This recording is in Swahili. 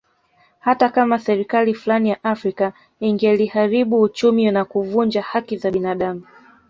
Hata kama serikali fulani ya Afrika ingeliharibu uchumi na kuvunja haki za binadamu